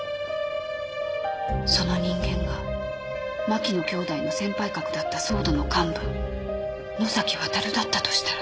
その人間が牧野兄弟の先輩格だった ＳＷＯＲＤ の幹部能崎亘だったとしたら